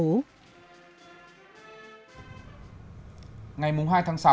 ngày hai sáu tại quảng trường tp bắc cạn tỉnh bắc cạn